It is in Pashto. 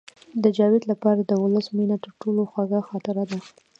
د جاوید لپاره د ولس مینه تر ټولو خوږه خاطره ده